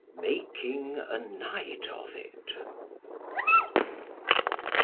MAKING A NIGHT OF IT.